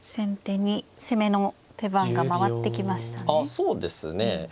あそうですね。